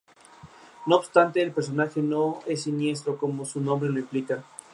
Visitó personalmente la mayor parte de las Provincias europeas.